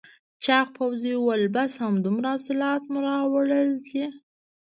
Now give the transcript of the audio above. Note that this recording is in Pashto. چاغ پوځي وویل بس همدومره حاصلات مو راوړل دي؟